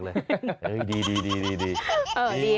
แต่ที่ไม่มีอย่างเงิน